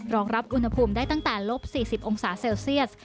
รองรับอุณหภูมิได้ตั้งแต่ลบ๔๐องศาเซลเซียส